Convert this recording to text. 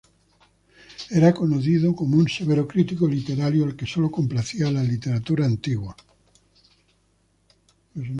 Era conocido como un severo crítico literario, al que sólo complacía la literatura antigua.